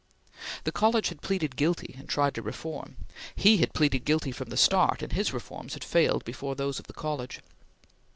The college had pleaded guilty, and tried to reform. He had pleaded guilty from the start, and his reforms had failed before those of the college.